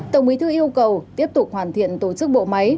tổng bí thư yêu cầu tiếp tục hoàn thiện tổ chức bộ máy